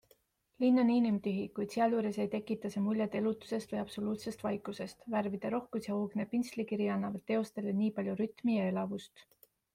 Linn on inimtühi, kuid sealjuures ei tekita see muljet elutusest või absoluutsest vaikusest - värvide rohkus ja hoogne pintslikiri annavad teostele nii palju rütmi ja elavust.